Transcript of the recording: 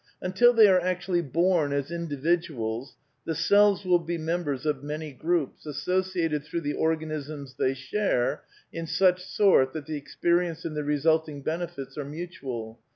Until they are actually bom as individu als the selves will be members of many groups, associated through the organisms they share, in such sort that the ex periences and the resulting benefits are mutual.